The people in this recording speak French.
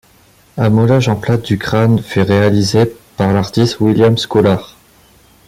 Un moulage en plâtre du crâne fût réalisé par l'artiste William Scoular.